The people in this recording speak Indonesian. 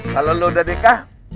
kalo lu udah dekah